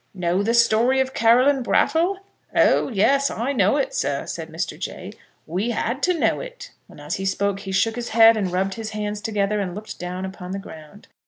"Know the story of Caroline Brattle? Oh yes! I know it, sir," said Mr. Jay. "We had to know it." And as he spoke he shook his head, and rubbed his hands together, and looked down upon the ground.